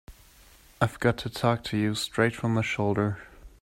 I've got to talk to you straight from the shoulder.